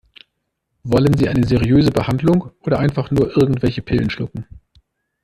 Wollen Sie eine seriöse Behandlung oder einfach nur irgendwelche Pillen schlucken?